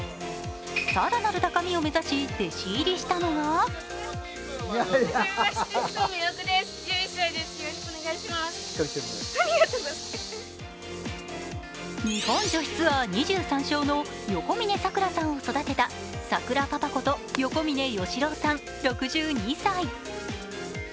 更なる高みを目指し弟子入りしたのは日本女子ツアー２３勝の横峯さくらさんを育てたさくらパパこと、横峯良郎さん６２歳。